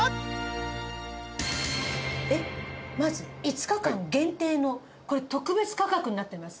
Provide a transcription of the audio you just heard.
えっまず５日間限定のこれ特別価格になってます。